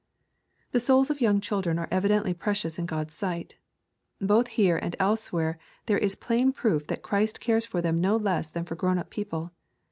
The souls of young children are evidently precious in God's sight. Both here and elsewhere there is plain proof that Christ cares for them no less than for grown up people.